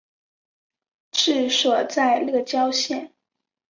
治所在乐郊县。